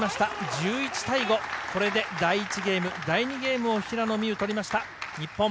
１１対５、これで第１ゲーム、第２ゲームを平野美宇取りました日本。